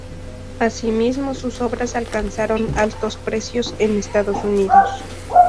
Asimismo, sus obras alcanzaron altos precios en Estados Unidos.